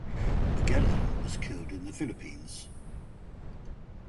Magellan was killed in the Philippines.